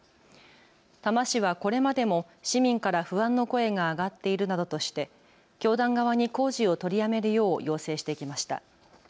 多摩市はこれまでも市民から不安の声が上がっているなどとして教団側に工事を取りやめるよう要請してきました。